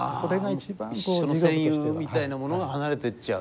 一緒の戦友みたいなものが離れてっちゃう。